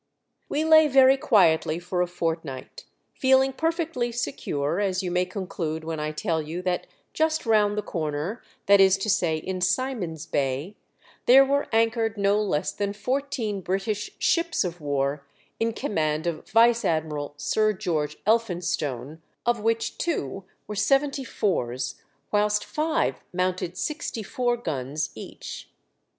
We lay very quietly for a fortnight, feeling perfectly secure, as you may conclude when I tell you that just round the corner, that is to say, in Simon's Bay, there were anchored no less than fourteen British ships of war, in command of Vice Admiral Sir George Elphinstone, of which two were seventy fours, whilst five mounted sixty four guns each.